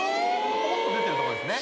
ポコッと出てるとこですね